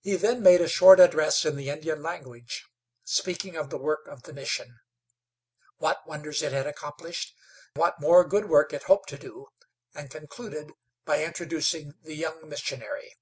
He then made a short address in the Indian language, speaking of the work of the mission, what wonders it had accomplished, what more good work it hoped to do, and concluded by introducing the young missionary.